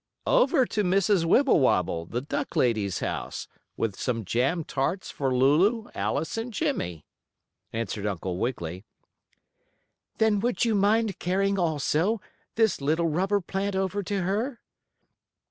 "Over to Mrs. Wibblewobble, the duck lady's house, with some jam tarts for Lulu, Alice and Jimmie," answered Uncle Wiggily. "Then would you mind carrying, also, this little rubber plant over to her?"